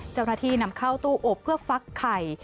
เจ้าหน้าที่นำเข้าตู้อบเพื่อฟักไข่